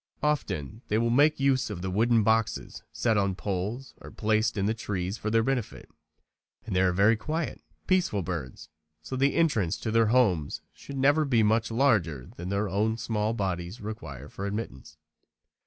Often they will make use of wooden boxes set on poles or placed in the trees for their benefit. They are very quiet, peaceful birds, so the entrance to their homes should never be much larger than their own small bodies require for admittance.